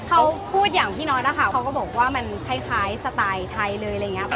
เขาพูดอย่างพี่น้อยนะคะเขาก็บอกว่ามันคล้ายสไตล์ไทยเลยอะไรอย่างนี้